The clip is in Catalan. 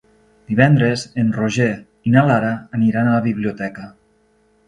Divendres en Roger i na Lara aniran a la biblioteca.